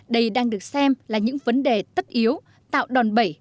đây đang được xem là những vấn đề tất yếu tạo đòn bẩy